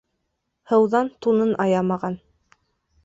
Һыуҙан тунын аямаған